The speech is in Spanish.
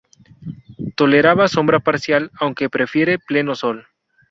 Tolera sombra parcial aunque prefiere pleno sol.